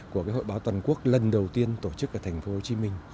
của cái hội báo toàn quốc lần đầu tiên tổ chức ở tp hcm